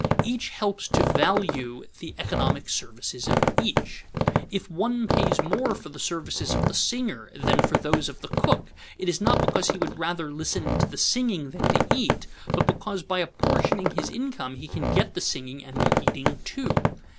Each helps to value the economic services of each. If one pays more for the services of the singer than for those of the cook, it is not because he would rather listen to the singing than to eat, but because by apportioning his income he can get the singing and the eating too.